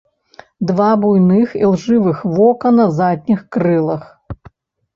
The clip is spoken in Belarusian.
Два буйных ілжывых вока на задніх крылах.